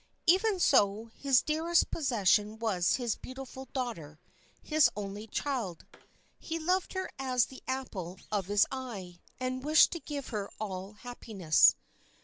Even so, his dearest possession was his beautiful daughter, his only child. He loved her as the apple of his eye, and wished to give her all happiness.